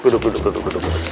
kenapa sih ustadz